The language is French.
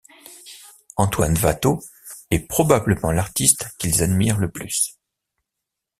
Antoine Watteau est probablement l'artiste qu'ils admirent le plus.